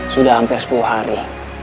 sudah hampir sepuluh hari